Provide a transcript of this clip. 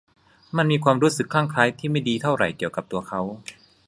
มันมีความรู้สึกคลั่งไคล้ที่ไม่ดีเท่าไหร่เกี่ยวกับตัวเขา